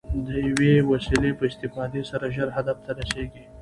د یوې وسیلې په استفادې سره ژر هدف ته رسېږي.